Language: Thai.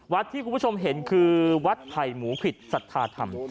ที่คุณผู้ชมเห็นคือวัดไผ่หมูผิดศรัทธาธรรม